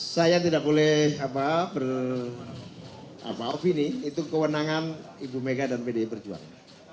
saya tidak boleh beropini itu kewenangan ibu mega dan pdi perjuangan